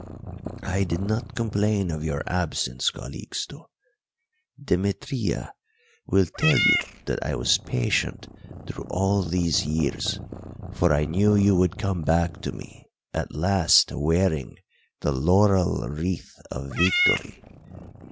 I did not complain of your absence, Calixto Demetria will tell you that I was patient through all these years, for I knew you would come back to me at last wearing the laurel wreath of victory.